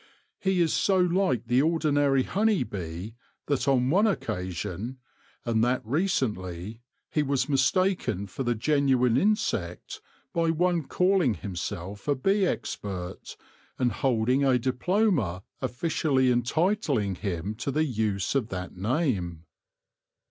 He is so like the ordinary honey bee that on one occasion, and that recently, he was mistaken for the genuine insect by one calling himself a bee expert, and holding a diploma ofiiciaily entitling him to the use of that name.